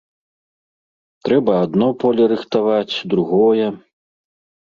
Трэба адно поле рыхтаваць, другое.